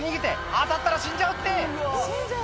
当たったら死んじゃうって！